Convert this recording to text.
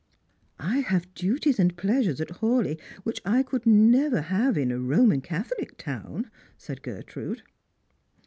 " I have duties and pleasures at Hawleigh which I could never have in a Roman Catholic town," said Gertrude.